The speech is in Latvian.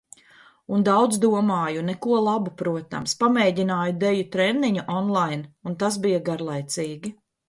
Un daudz domāju. Neko labu, protams. Pamēģināju deju treniņu online un tas bija garlaicīgi.